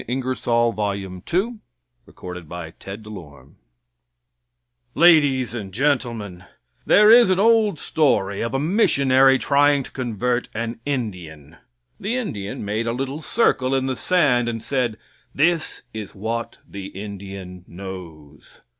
Ingersoll's Lecture on "Blasphemy" Ladies and Gentlemen: There is an old story of a missionary trying to convert an Indian. The Indian made a little circle in the sand and said, "That is what the Indian knows."